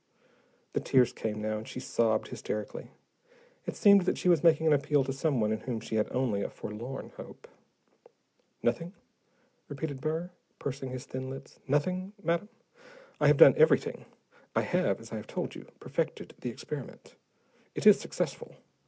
The tears came now, and she sobbed hysterically. It seemed that she was making an appeal to someone in whom she had only a forlorn hope. "Nothing?" repeated Burr, pursing his thin lips. "Nothing? Madam, I have done everything. I have, as I have told you, perfected the experiment. It is successful.